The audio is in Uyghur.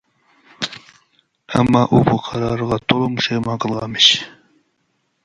ئەمما ئۇ بۇ قارارىغا تولىمۇ پۇشايمان قىلغانمىش.